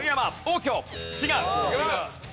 違う！